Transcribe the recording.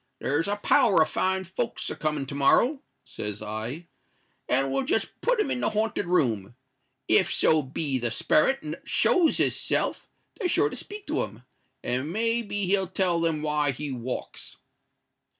There's a power of fine folks a coming to morrow_,' says I; '_and we'll just put 'em in the haunted room. If so be the sperret shows his self, they're sure to speak to him; and may be he'll tell them why he walks.